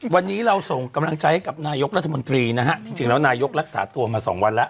วันนี้เราส่งกำลังใจให้กับนายกรัฐมนตรีนะฮะจริงแล้วนายกรักษาตัวมาสองวันแล้ว